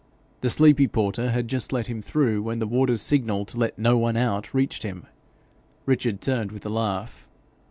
The sleepy porter had just let him through, when the warder's signal to let no one out reached him. Richard turned with a laugh.